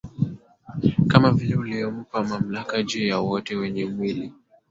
kama vile ulivyompa mamlaka juu ya wote wenye mwili